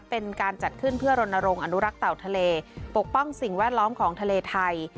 เป็นการจัดขึ้นเพื่อรณรงค์อนุรักษ์เต่าทะเลปกป้องสิ่งแวดล้อมของทะเลไทย